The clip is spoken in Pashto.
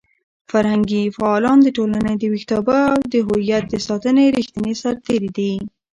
فرهنګي فعالان د ټولنې د ویښتابه او د هویت د ساتنې ریښتیني سرتېري دي.